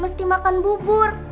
mesti makan bubur